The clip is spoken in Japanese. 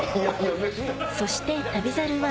そして『旅猿』は